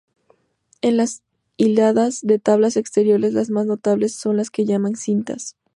En las "hiladas" de tablas exteriores las más notables son las que llaman "cintas".